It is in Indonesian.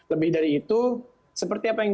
lebih dari itu seperti apa yang